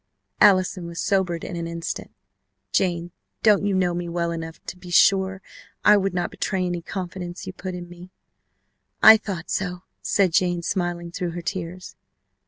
Allison was sobered in an instant. "Jane, don't you know me well enough to be sure I would not betray any confidence you put in me?" "I thought so " said Jane, smiling through her tears.